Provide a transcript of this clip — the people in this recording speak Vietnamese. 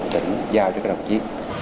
tỉnh giao cho các đồng chí